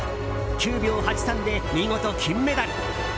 ９秒８３で見事、金メダル。